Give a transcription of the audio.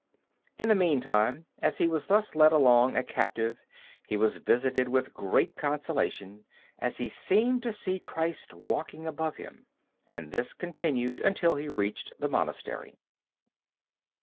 In the meantime, as he was thus led along a captive, he was visited with great consolation, as he seemed to see Christ walking above him. And this continued until he reached the monastery.